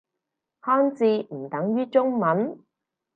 漢字唔等於中文